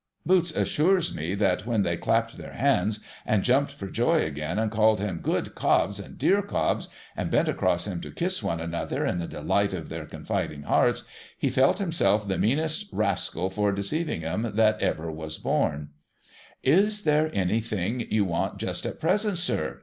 Boots assures me that when they clapped their hands, and jumped for joy again, and called him ' Good Cobbs !' and ' Dear Cobbs !' and bent across him to kiss one another in the delight of their con fiding hearts, he felt himself the meanest rascal for deceiving 'em that ever was born. ic3 THE HOLLY TREE * Is there anything you want just at present, sir